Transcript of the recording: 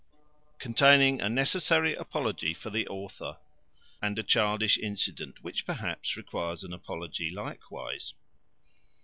Containing a necessary apology for the author; and a childish incident, which perhaps requires an apology likewise.